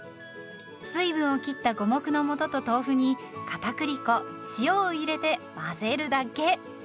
水分を切った五目のもとと豆腐にかたくり粉塩を入れて混ぜるだけ。